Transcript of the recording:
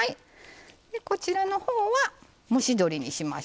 こちらのほうは蒸し鶏にしましょう。